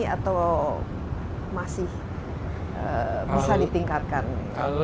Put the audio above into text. atau masih bisa ditingkatkan